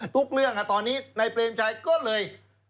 ทุกเรื่องตอนนี้นายเปรมชัยก็เลย